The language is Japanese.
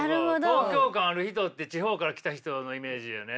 東京感ある人って地方から来た人のイメージよね。